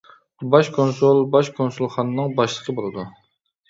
باش كونسۇل باش كونسۇلخانىنىڭ باشلىقى بولىدۇ.